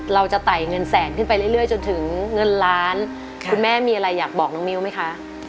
ไต่เงินแสนขึ้นไปเรื่อยจนถึงเงินล้านคุณแม่มีอะไรอยากบอกน้องมิ้วไหมคะ